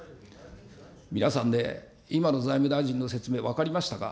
皆さんね、今の財務大臣の説明分かりましたか。